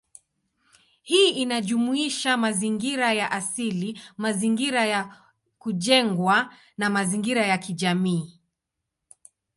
Hii inajumuisha mazingira ya asili, mazingira ya kujengwa, na mazingira ya kijamii.